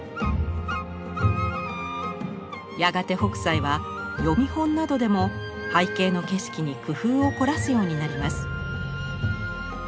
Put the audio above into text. やがて北斎は読本などでも背景の景色に工夫を凝らすようになります。